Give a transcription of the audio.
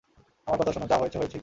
আমার কথা শোনো, যা হয়েছে হয়েছেই।